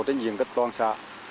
tất nhiên gấp toàn xã